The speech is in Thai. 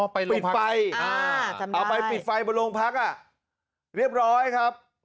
ไปลงพักอ่าจำได้เอาไปปิดไฟบนโรงพักอ่ะเรียบร้อยครับ